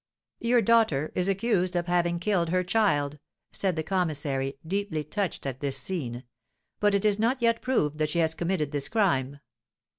"Your daughter is accused of having killed her child," said the commissary, deeply touched at this scene; "but it is not yet proved that she has committed this crime."